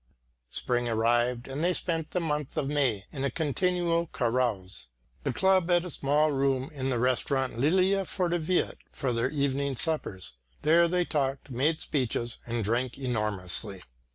Spring arrived and they spent the month of May in a continual carouse. The club had a small room in the restaurant Lilia Förderfvet for their evening suppers. There they talked, made speeches, and drank enormously.